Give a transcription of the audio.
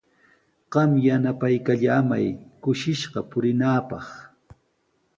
Qam yanapaykallamay kushishqa purinaapaq.